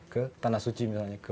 ke tanah suci